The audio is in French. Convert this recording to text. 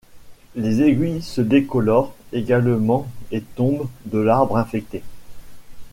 Les aiguilles se décolorent également et tombent de l’arbre infecté.